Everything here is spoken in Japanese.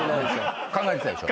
考えてたでしょ？